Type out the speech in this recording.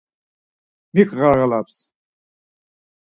Mik ğarğalaps?